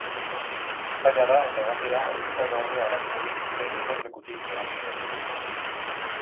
Zaila da eta gainera ohituta gaude halakoei gure gotorlekutik erantzuten.